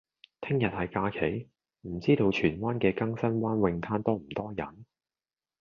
聽日係假期，唔知道荃灣嘅更生灣泳灘多唔多人？